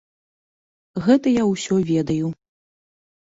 Гэта я ўсё ведаю.